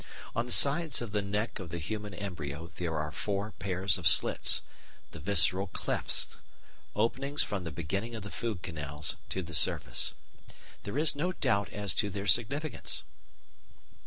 On the sides of the neck of the human embryo there are four pairs of slits, the "visceral clefts," openings from the beginning of the food canals to the surface. There is no doubt as to their significance.